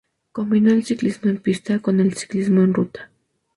Combinó el ciclismo en pista con el ciclismo en ruta.